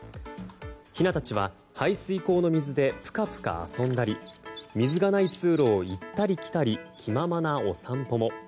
ひなたちは排水溝の水でぷかぷか遊んだり水がない通路を行ったり来たり気ままなお散歩も。